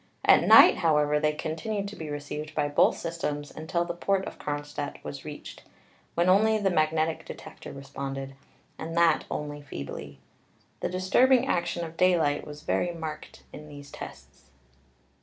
At night, however, they continued to be received by both systems until the port of Kronstadt was reached, when only the magnetic detector responded, and that only feebly. The disturbing action of daylight was very marked in these tests.